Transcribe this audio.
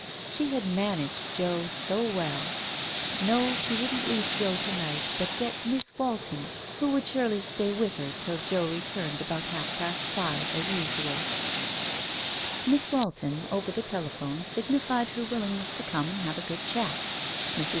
She had managed Joe well ! No, she wouldn't leave Joe to night, but get Miss e 2 Digitized by Google 52 TALES OF THE UNEASY Walton, who would surely stay with her till Joe returned about half past five, as usual. Miss Walton, over the telephone, signified her willing ness to come and have a good chat. Mrs.